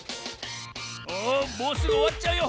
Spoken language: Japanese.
おもうすぐおわっちゃうよ。